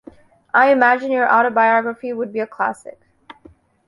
I imagine your autobiography would be a classic.